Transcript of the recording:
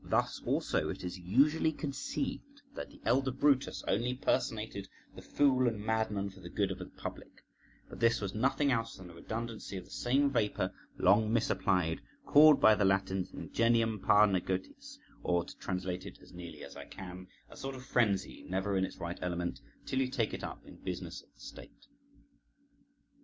Thus also it is usually conceived that the elder Brutus only personated the fool and madman for the good of the public; but this was nothing else than a redundancy of the same vapour long misapplied, called by the Latins ingenium par negotiis, or (to translate it as nearly as I can), a sort of frenzy never in its right element till you take it up in business of the state.